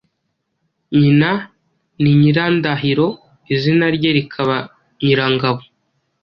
Nyina ni Nyirandahiro.Izina rye rikaba Nyirangabo,